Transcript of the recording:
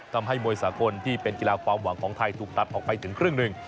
ทำให้มวยสากลที่เป็นกีฬาความหวังของไทยถูกตัดออกไปถึงครึ่งหนึ่ง